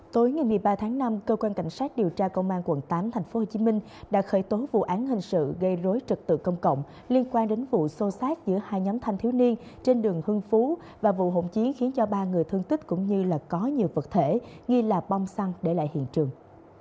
tối ngày một mươi ba tháng năm cơ quan cảnh sát điều tra công an quận tám tp hcm đã khởi tố vụ án hình sự gây rối trật tự công cộng liên quan đến vụ xô xát giữa hai nhóm thanh thiếu niên trên đường hương phú và vụ hỗn chiến khiến cho ba người thương tích cũng như có nhiều vật thể nghi là bong xăng để lại hiện trường